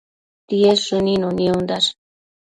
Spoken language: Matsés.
Tied shënino niondash